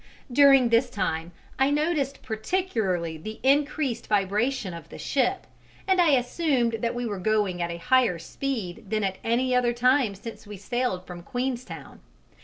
During this time I noticed particularly the increased vibration of the ship, and I assumed that we were going at a higher speed than at any other time since we sailed from Queenstown.